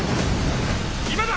今だ！